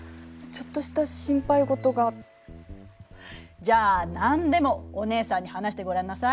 じゃあ何でもおねえさんに話してごらんなさい。